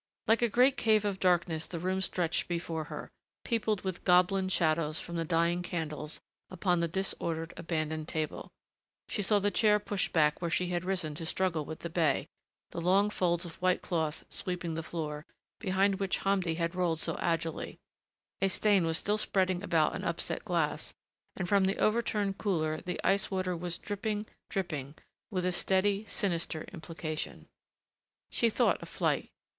Like a great cave of darkness the room stretched before her, peopled with goblin shadows from the dying candles upon the disordered, abandoned table; she saw the chair pushed back where she had risen to struggle with the bey, the long folds of white cloth, sweeping the floor, behind which Hamdi had rolled so agilely; a stain was still spreading about an upset glass, and from the overturned cooler the ice water was dripping, dripping with a steady, sinister implication. She thought of flight....